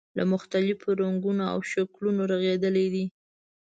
له مختلفو رنګونو او شکلونو رغېدلی دی.